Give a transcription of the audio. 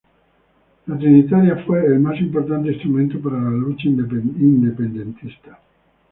La Trinitaria fue el más importante instrumento para la lucha independentista.